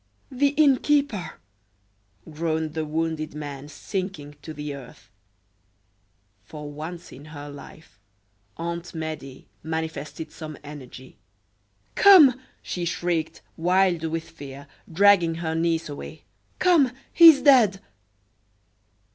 "The innkeeper!" groaned the wounded man, sinking to the earth. For once in her life, Aunt Medea manifested some energy. "Come!" she shrieked, wild with fear, dragging her niece away. "Come he is dead!"